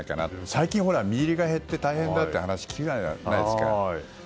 最近、実入りが減って大変だという話を聞くじゃないですか。